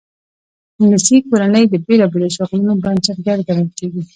انګلیسي کورنۍ د بېلابېلو شغلونو بنسټګر ګڼل کېږي.